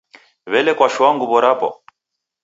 W'ele kwashoa nguw'o rapo?